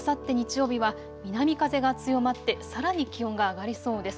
あさって日曜日は南風が強まってさらに気温が上がりそうです。